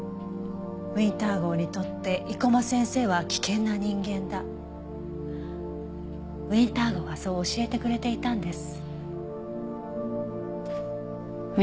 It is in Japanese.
ウィンター号にとって生駒先生は危険な人間だウィンター号がそう教えてくれていたんです。